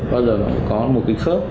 bao giờ có một cái khớp